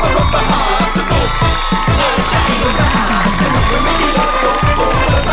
สวัสดีค่ะ